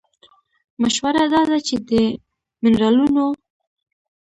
مشوره دا ده چې د مېنرالونو